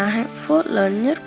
hạnh phúc lớn nhất